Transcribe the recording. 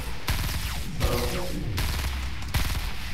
Sseṛɣent-asent-tt.